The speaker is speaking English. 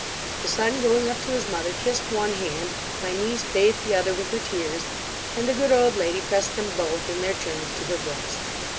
The son going up to his mother, kissed one hand; my niece bathed the other with her tears; and the good old lady pressed them both in their turns to her breast.